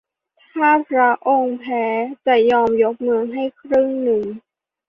ถ้าพระองค์แพ้จะยอมยกเมืองให้ครึ่งหนึ่ง